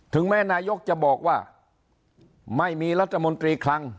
ถึงแม้นายกจะบอกว่าไม่มีรัฐมนตรีคลัง